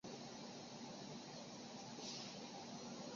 抽签仪式同时决定出种子国将各在哪场预赛中投票。